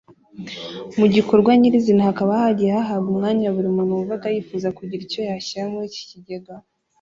Mu gikorwa nyir’izina hakaba hagiye hahabwa umwanya buri muntu wumvaga yifuza kugira icyo yashyira muri iki kigega